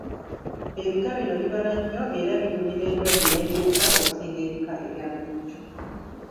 Ebika bino bibala nnyo era bigumira endwadde n’ebiwuka okusinga ebika ebyabulijjo.